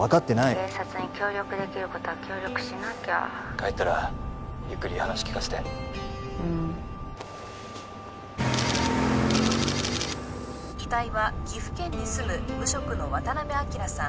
☎警察に協力できることは協力しなきゃ☎帰ったらゆっくり話聞かせてうん遺体は岐阜県に住む無職の渡辺昭さん